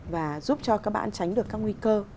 và giúp cho các bạn tránh được các nguy cơ